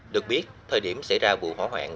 được biết thời điểm xảy ra vụ hỏa hoạn